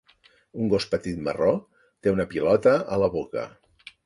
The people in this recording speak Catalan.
Un gos petit marró té una pilota a la boca.